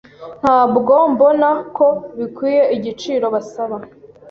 Ntabwo mbona ko bikwiye igiciro basaba.